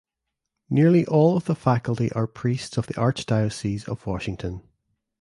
Nearly all of the faculty are priests of the Archdiocese of Washington.